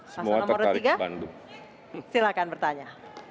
semua tertarik bandung silakan bertanya